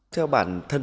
theo bản thân